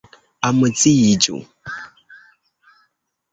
Amuziĝu!